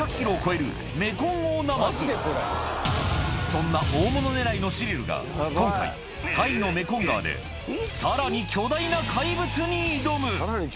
そんな大物狙いのシリルが今回タイのメコン川でさらに巨大な怪物に挑む！